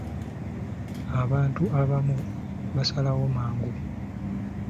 Abantu abamu basalawo mangu.